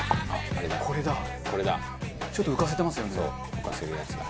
浮かせるやつだ。